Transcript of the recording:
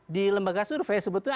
di lembaga survei sebetulnya